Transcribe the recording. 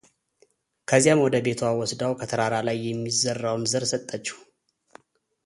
ከዚያም ወደ ቤቷ ወስዳው ከተራራ ላይ የሚዘራውን ዘር ሰጠችው፡፡